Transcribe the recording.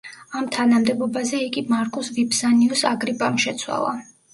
ამ თანამდებობაზე იგი მარკუს ვიფსანიუს აგრიპამ შეცვალა.